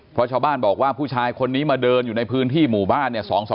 เพราะชาวบ้านบอกว่าผู้ชายคนนี้มาเดินอยู่ในพื้นที่หมู่บ้านเนี่ย